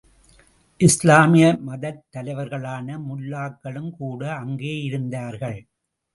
இஸ்லாமிய மதத்தலைவர்களான முல்லாக்களும் கூட அங்கேயிருந்தார்கள்.